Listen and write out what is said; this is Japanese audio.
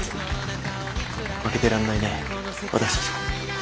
負けてらんないね私たちも。